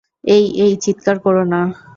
এই, এই, চিৎকার করো না।